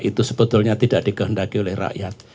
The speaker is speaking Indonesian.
itu sebetulnya tidak dikehendaki oleh rakyat